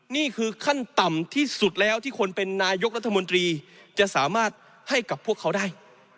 นี่คือขั้นต่ำที่สุดแล้วที่คนเป็นนายกรัฐมนตรีจะสามารถให้กับพวกเขาได้